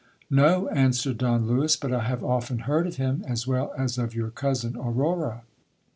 Xo, answered Don Lewis, but I have often heard of him, as well as of your cousin Aurora.